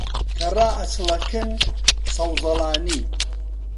کە ڕائەچڵەکن سەوزەڵانی